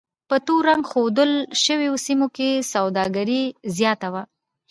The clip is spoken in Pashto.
په تور رنګ ښودل شویو سیمو کې سوداګري زیاته وه.